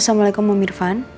assalamualaikum om irfan